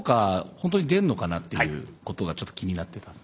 ほんとに出るのかなっていうことがちょっと気になってたんですけど。